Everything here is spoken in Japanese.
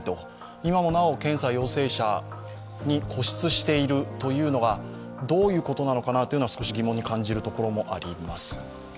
今もなお、検査陽性者に固執しているというのがどういうことなのかなというのは少し疑問に感じるところもあります。